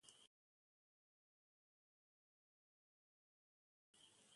ബലാൽസംഗം.